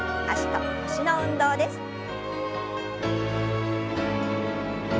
脚と腰の運動です。